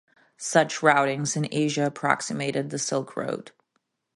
Such routings in Asia approximated the Silk Road.